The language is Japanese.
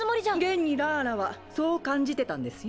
現にラーラはそう感じてたんですよ。